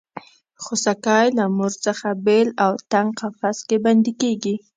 خوسکی له مور څخه بېل او تنګ قفس کې بندي کېږي.